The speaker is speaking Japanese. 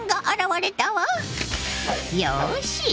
よし。